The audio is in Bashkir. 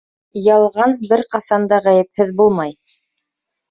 Ялған бер ҡасан да ғәйепһеҙ булмай.